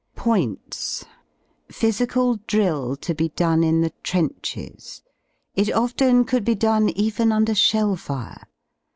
Points: Physical drill to be done m the trenches! It often could he done even under shell fire.